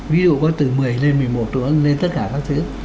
ví dụ có từ một mươi lên một mươi một tuổi lên tất cả các thứ